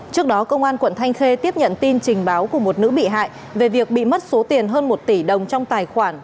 trước đó công an quận thanh khê tiếp nhận tin trình báo của một nữ bị hại về việc bị mất số tiền hơn một tỷ đồng trong tài khoản